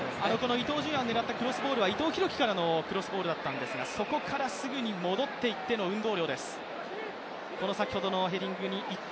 伊東純也を狙ったクロスボールは伊藤洋輝を狙ったクロスボールだったんですがそこからすぐに戻っていっての運動量です。